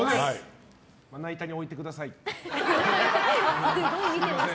まな板に置いてください。